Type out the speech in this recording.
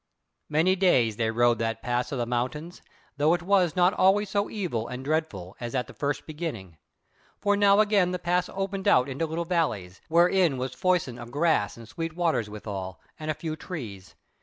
Many days they rode that pass of the mountains, though it was not always so evil and dreadful as at the first beginning; for now again the pass opened out into little valleys, wherein was foison of grass and sweet waters withal, and a few trees.